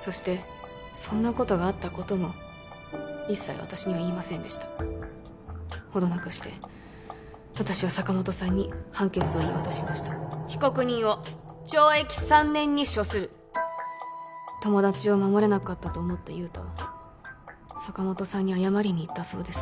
そしてそんなことがあったことも一切私には言いませんでしたほどなくして私は坂本さんに判決を言い渡しました被告人を懲役３年に処する友達を守れなかったと思った雄太は坂本さんに謝りに行ったそうです